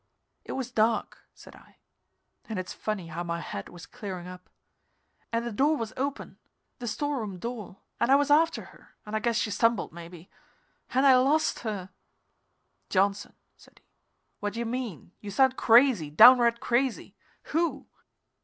"It was dark," said I and it's funny how my head was clearing up "and the door was open the store room door and I was after her and I guess she stumbled, maybe and I lost her." "Johnson," said he, "what do you mean? You sound crazy downright crazy. Who?"